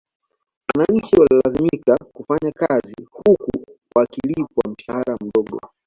Wananchi walilazimika kufanya kazi huku wakilipwa mshahara mdogo